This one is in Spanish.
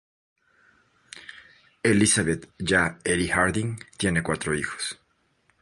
Elizabeth Ya Eli Harding tiene cuatro hijos.